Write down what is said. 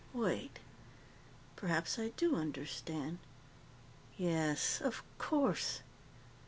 "Wait. Perhaps I do understand. Yes, of course."